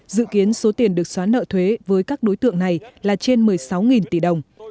dự kiến số tiền được xóa nợ thuế với các đối tượng này là trên một mươi sáu tỷ đồng